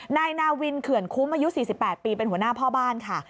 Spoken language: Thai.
นายนาวินเขื่อนคุ้มอายุ๔๘ปีเป็นหัวหน้าพ่อบ้านค่ะ